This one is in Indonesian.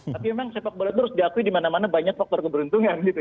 tapi memang sepak bola terus diakui dimana mana banyak faktor keberuntungan gitu